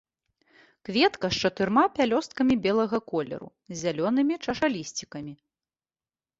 Кветкі з чатырма пялёсткамі белага колеру, з зялёнымі чашалісцікамі.